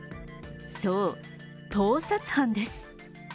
そう、盗撮犯です。